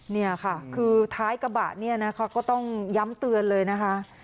นี่ค่ะคือท้ายกระบะเนี่ยนะคะก็ต้องย้ำเตือนเลยนะคะ